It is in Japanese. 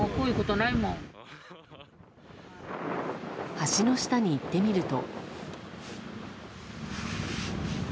橋の下に行ってみると。